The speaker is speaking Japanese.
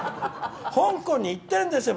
香港に行ってるんですよ